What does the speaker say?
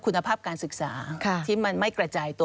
คุณภาพการศึกษาที่มันไม่กระจายตัว